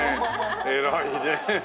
偉いねえ。